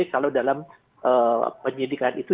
kalau dalam penyidikan itu